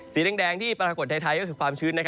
สีแดงที่ปรากฏไทยก็คือความชื้น